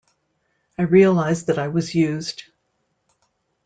I realised that I was used.